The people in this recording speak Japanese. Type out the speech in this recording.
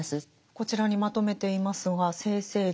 こちらにまとめていますが「生政治」。